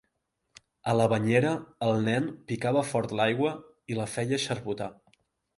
A la banyera, el nen picava fort l'aigua i la feia xarbotar.